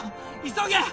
急げ！